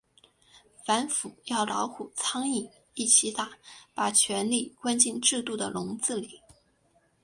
反腐要老虎、苍蝇一起打，把权力关进制度的笼子里。